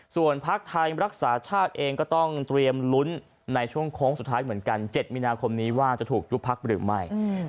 ส่วนพักไทยรักษาชาติเองก็ต้องเตรียมลุ้นในช่วงโค้งสุดท้ายเหมือนกัน๗มีนาคมนี้ว่าจะถูกยุบพักหรือไม่